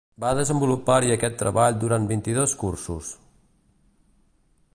Va desenvolupar-hi aquest treball durant vint-i-dos cursos.